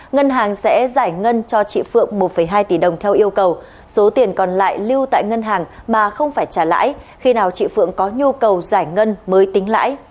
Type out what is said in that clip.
ngân hàng sẽ giải ngân cho chị phượng một hai tỷ đồng theo yêu cầu số tiền còn lại lưu tại ngân hàng mà không phải trả lãi khi nào chị phượng có nhu cầu giải ngân mới tính lãi